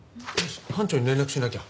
班長に連絡しなきゃ。